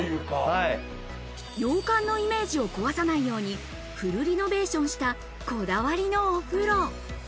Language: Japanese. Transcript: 洋館のイメージを壊さないようにフルリノベーションしたこだわりのお風呂。